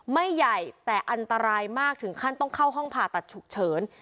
ไม่ใหญ่แต่อันตรายมากถึงขั้นต้องเข้าห้องผ่าตัดฉุกเฉิน